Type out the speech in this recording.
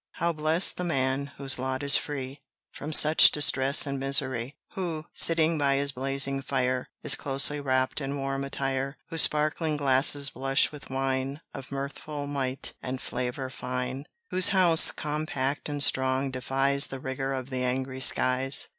How blest the man, whose lot is free From such distress and misery; Who, sitting by his blazing fire, Is closely wrapt in warm attire; Whose sparkling glasses blush with wine Of mirthful might and flavour fine; Whose house, compact and strong, defies The rigour of the angry skies!